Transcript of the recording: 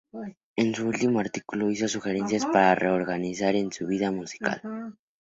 En su último artículo hizo sugerencias para la reorganización de la vida musical.